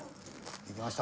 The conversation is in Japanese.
いきました。